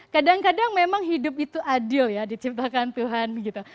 kadang kadang memang hidup itu adil ya diciptakan tuhan begitu